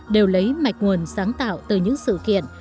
đều lấy mạch nguồn sáng tạo từ những sự kiện